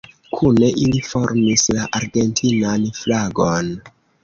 Kune ili formis la argentinan flagon.